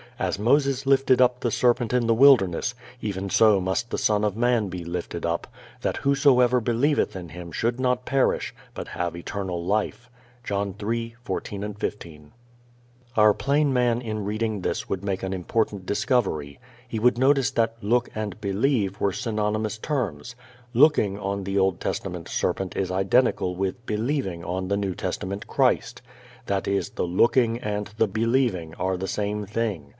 "As Moses lifted up the serpent in the wilderness, even so must the Son of man be lifted up: that whosoever believeth in him should not perish, but have eternal life" (John 3:14 15). Our plain man in reading this would make an important discovery. He would notice that "look" and "believe" were synonymous terms. "Looking" on the Old Testament serpent is identical with "believing" on the New Testament Christ. That is, the looking and the believing are the same thing.